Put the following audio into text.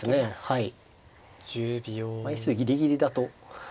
はい。